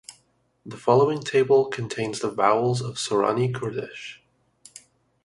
The following table contains the vowels of Sorani Kurdish.